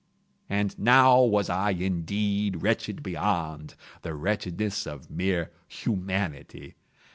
And now was I indeed wretched beyond the wretchedness of mere Humanity.